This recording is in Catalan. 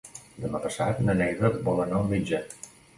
Demà passat na Neida vol anar al metge.